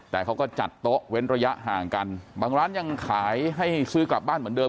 แต่เขาก็จัดโต๊ะเว้นระยะห่างกันบางร้านยังขายให้ซื้อกลับบ้านเหมือนเดิม